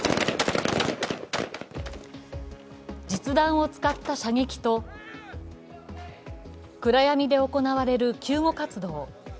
実弾を使った射撃と、暗闇で行われる救護活動。